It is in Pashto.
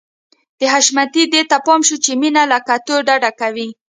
د حشمتي دې ته پام شو چې مينه له کتو ډډه کوي.